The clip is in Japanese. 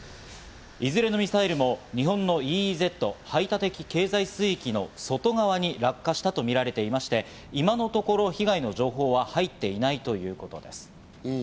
いずれのミサイルも日本のＥＥＺ＝排他的経済水域の外側に落下したとみられていまして今のところ被害の情報は入っていないということです。